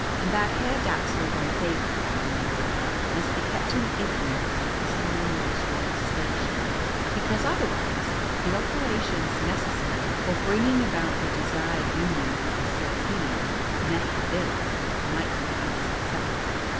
And that Herr Dapsul von Zabelthau, moreover, must be kept in ignorance of his son in law's royal station, because otherwise the operations necessary for bringing about the desired union with the sylphide Nehabilah might be unsuccessful.